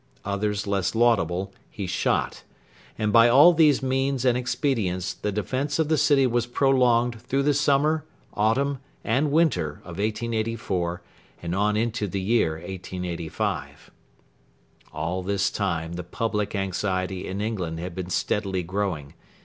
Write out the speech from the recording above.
Others less laudable he shot. And by all these means and expedients the defence of the city was prolonged through the summer, autumn, and winter of 1884 and on into the year 1885. All this time the public anxiety in England had been steadily growing.